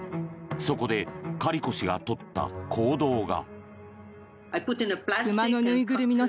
そこでカリコ氏が取った行動が。